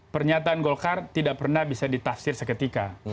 pernyataan golkar tidak pernah bisa ditafsir seketika